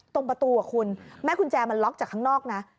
ตรงประตูคุณแม่กุญแจมันล็อกจากข้างนอกนะ